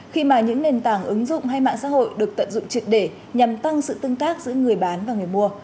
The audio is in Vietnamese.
khi mà những nền tảng ứng dụng hay mạng xã hội được tận dụng triệt để nhằm tăng sự tương tác giữa người bán và người mua